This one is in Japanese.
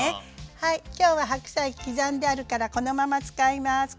はい今日は白菜刻んであるからこのまま使います。